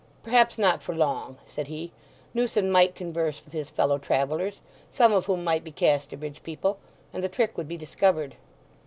"Perhaps not for long," said he. Newson might converse with his fellow travellers, some of whom might be Casterbridge people; and the trick would be discovered.